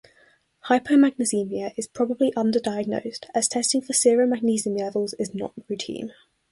Hypomagnesemia is probably underdiagnosed, as testing for serum magnesium levels is not routine.